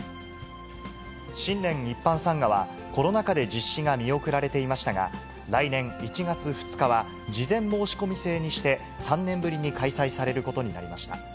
新年一般参賀は、コロナ禍で実施が見送られていましたが、来年１月２日は事前申し込み制にして３年ぶりに開催されることになりました。